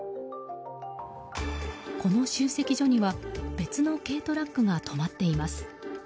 この集積所には別の軽トラックが止まっています。